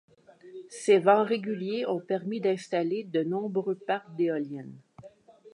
Ces vents réguliers ont permis d’installer de nombreux parcs d’éoliennes.